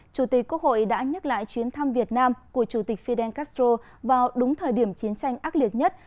chủ tịch quốc hội đã nhắc lại chuyến thăm việt nam của chủ tịch fidel castro vào đúng thời điểm chiến tranh ác liệt nhất